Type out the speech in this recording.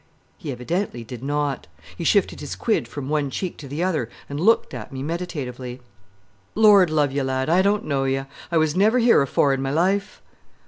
He evidently did not. He shifted his quid from one cheek to the other, and looked at me meditatively. "Lord love ye, lad, I don't know you. I was never here afore in my life."